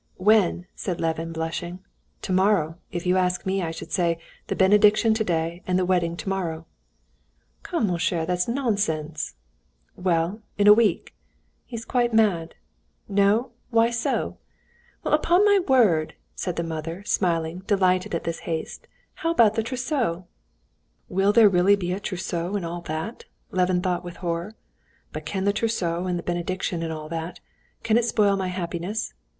"When?" said Levin blushing. "Tomorrow. If you ask me, I should say, the benediction today and the wedding tomorrow." "Come, mon cher, that's nonsense!" "Well, in a week." "He's quite mad." "No, why so?" "Well, upon my word!" said the mother, smiling, delighted at this haste. "How about the trousseau?" "Will there really be a trousseau and all that?" Levin thought with horror. "But can the trousseau and the benediction and all that—can it spoil my happiness?